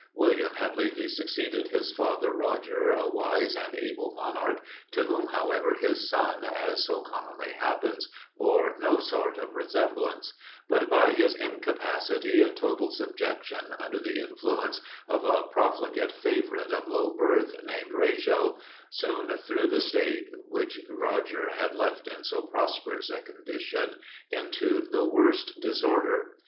William had lately succeeded his father Roger, a wise and able monarch, to whom however his son, as so commonly happens, bore no sort of resemblance; but by his incapacity and total subjection under the influence of a profligate favourite of low birth, named Wrajo, soon threw the state, which Roger had left in so prosperous a condition, into the worst disorder.